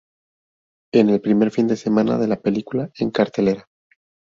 En el primer fin de semana de la película en cartelera.